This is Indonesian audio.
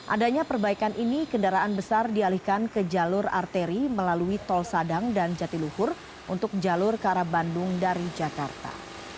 adanya perbaikan ini kendaraan besar dialihkan ke jalur arteri melalui tol sadang dan jatiluhur untuk jalur ke arah bandung dari jakarta